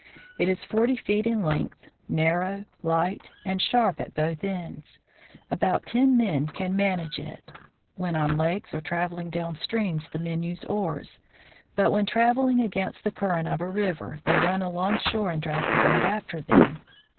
It is forty feet in length, narrow, light, and sharp at both ends. About ten men can manage it. When on lakes or traveling down streams the men use oars, but when travel 1 6 THE FROZEN NORTH ing against the current of a river they run alongshore and drag the boat after them.